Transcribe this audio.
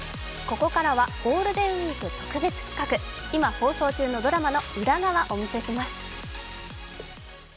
ここからはゴールデンウイーク特別企画、今、放送中のドラマの裏側、お見せします。